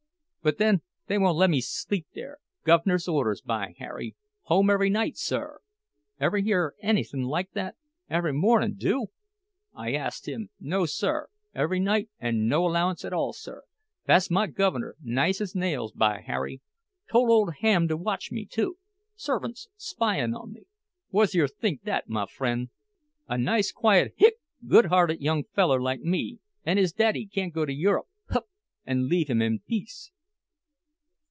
But then they won't lemme sleep there—guv'ner's orders, by Harry—home every night, sir! Ever hear anythin' like that? 'Every mornin' do?' I asked him. 'No, sir, every night, or no allowance at all, sir.' Thass my guv'ner—'nice as nails, by Harry! Tole ole Ham to watch me, too—servants spyin' on me—whuzyer think that, my fren'? A nice, quiet—hic—goodhearted young feller like me, an' his daddy can't go to Europe—hup!—an' leave him in peace!